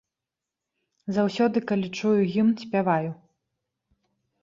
Заўсёды, калі чую гімн, спяваю.